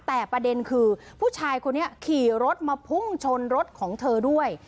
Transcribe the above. แต่ประเด็นคือผู้ชายคนนี้ขี่รถมาพุ่งชนรถของเธอด้วย